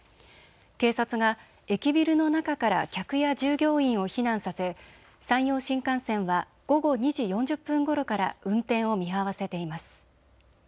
警察が駅ビルの中から客や従業員を避難させ山陽新幹線は午後２時４０分ごろから運転を見合わせています。